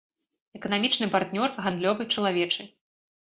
Эканамічны партнёр, гандлёвы, чалавечы.